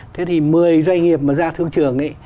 thế thì một mươi doanh nghiệp mà ra thương trường ấy